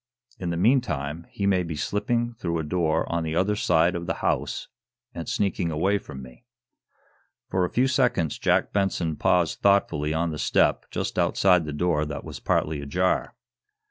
In the meantime, he may be slipping through a door on the other side of the house, and sneaking away from me." For a few seconds Jack Benson paused thoughtfully on the step just outside the door that was partly ajar.